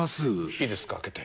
いいですか、開けて？